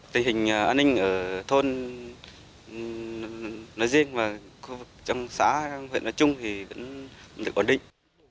tình hình an ninh ở thôn nói riêng và trong xã huyện nói chung thì vẫn được ổn định